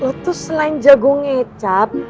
lo tuh selain jago ngecap